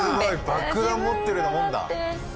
爆弾持ってるようなもんだ。